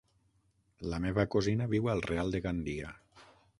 La meva cosina viu al Real de Gandia.